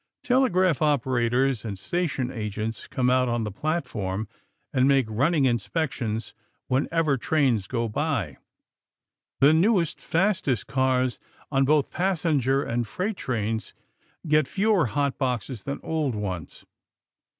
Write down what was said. Telegraph operators and station agents come out on the platform and make running inspections whenever trains go by. The newest, fastest cars on both passenger and freight trains get fewer hot boxes than old ones.